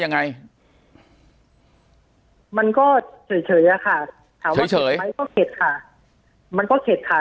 ปากกับภาคภูมิ